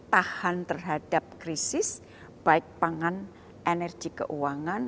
tahan terhadap krisis baik pangan energi keuangan